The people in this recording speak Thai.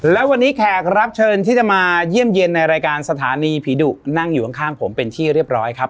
และวันนี้แขกรับเชิญที่จะมาเยี่ยมเย็นในรายการสถานีผีดุนั่งอยู่ข้างผมเป็นที่เรียบร้อยครับ